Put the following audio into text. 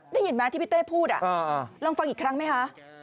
ได้ยินไหมที่พี่เต้พูดลองฟังอีกครั้งไหมคะ